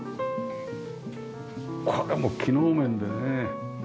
これも機能面でね。